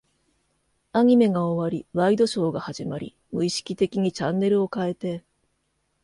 アニメが終わり、ワイドショーが始まり、無意識的にチャンネルを変えて、